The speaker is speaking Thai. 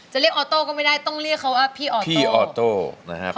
จะเรียกออโต้ก็ไม่ได้ต้องเรียกเขาว่าพี่ออโต้นะครับ